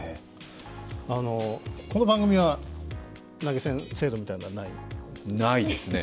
この番組は、投げ銭制度みたいなのないんですか？